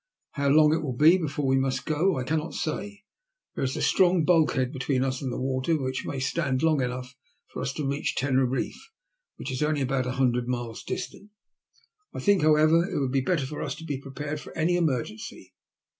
How long it will be before we must go I cannot say. There is a strong bulkhead between us and the water which may stand long enough for us to reach Teneriffe, which is only about a hundred miles distant. I think, how ever, it would be better for us to be prepared for any emergency.